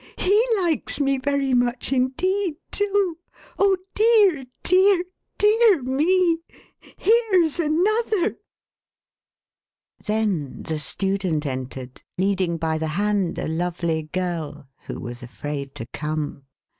He likes me very much indeed, too ? Oh dear, dear, dear me, here's another !" THE CHRISTMAS PARTY. 533 Then, the student entered, leading by the hand a lovely girl, who was afraid to come.